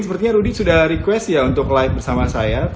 sepertinya rudy sudah request untuk live bersama saya